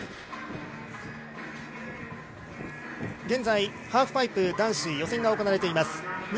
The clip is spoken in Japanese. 現在、ハーフパイプ男子予選が行われています。